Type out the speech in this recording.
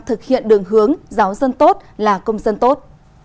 thực hiện đường hướng giáo dân tốt là công dân tốt